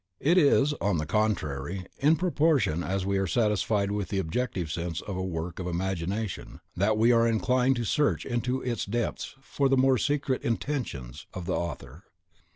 It is, on the contrary, in proportion as we are satisfied with the objective sense of a work of imagination, that we are inclined to search into its depths for the more secret intentions of the author.